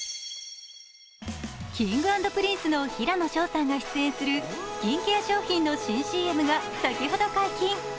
Ｋｉｎｇ＆Ｐｒｉｎｃｅの平野紫耀さんが出演するスキンケア商品の新ＣＭが先ほど解禁。